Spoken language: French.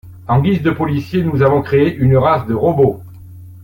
En guise de policiers, nous avons créé une race de robots.